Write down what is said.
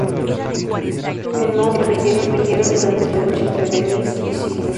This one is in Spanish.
En No Mercy, interfirieron durante la lucha entre The Miz y Ziggler.